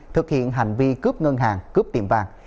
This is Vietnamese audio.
thực hiện hành vi cướp ngân hàng cướp tiệm vàng